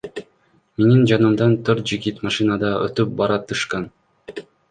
Менин жанымдан төрт жигит машинада өтүп баратышкан.